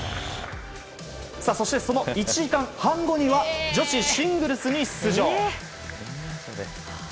そして、その１時間半後には女子シングルスに出場。